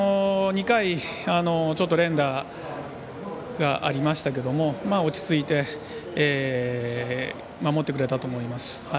２回連打がありましたけど落ち着いて守ってくれたと思います。